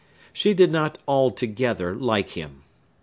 She did not altogether like him.